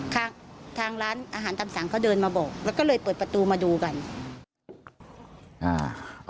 ทางทางร้านอาหารตามสั่งเขาเดินมาบอกแล้วก็เลยเปิดประตูมาดูกันอ่า